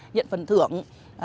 nhận phần thưởng